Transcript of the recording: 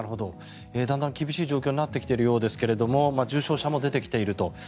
だんだん厳しい状況になってきているようですが重症者も出てきていると。